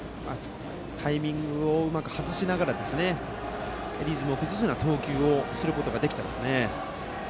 タイミングをうまく外しながらリズムを崩すような投球をすることができてますね。